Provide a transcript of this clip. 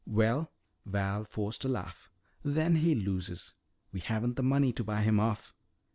"Well," Val forced a laugh, "then he loses. We haven't the money to buy him off."